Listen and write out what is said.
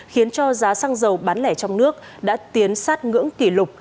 khiến cho giá xăng dầu bán lẻ trong nước đã tiến sát ngưỡng kỷ lục